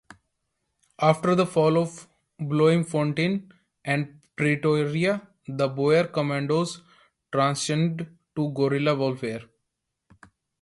After the fall of Bloemfontein and Pretoria, the Boer commandos transitioned to guerrilla warfare.